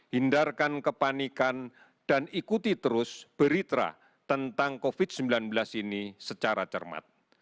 hindarkan kepanikan dan ikuti terus beritra tentang covid sembilan belas ini secara cermat